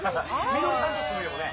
・みのりさんと住む家もね